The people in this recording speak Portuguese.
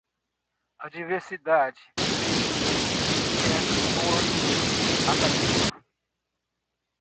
A diversidade de estudantes enriquece o ambiente acadêmico.